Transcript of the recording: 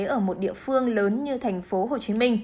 ở một địa phương lớn như tp hcm